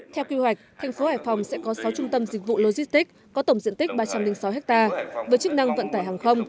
theo quy hoạch thành phố hải phòng sẽ có sáu trung tâm dịch vụ logistics có tổng diện tích ba trăm linh sáu ha với chức năng vận tải hàng không